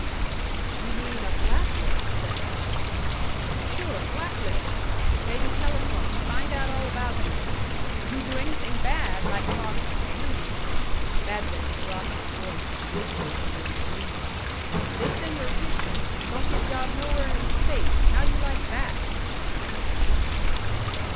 "You mean a black list," said Hal. "Sure, black list. Maybe telephone, find out all about you. You do anything bad, like talk union" Madvik had dropped his voice and whispered the word "union" "they send your picture don't get job nowhere in state. How you like that?"